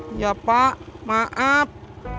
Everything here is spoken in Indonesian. iya pak maaf